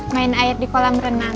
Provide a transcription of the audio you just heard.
main air di kolam renang